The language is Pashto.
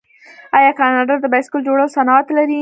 آیا کاناډا د بایسکل جوړولو صنعت نلري؟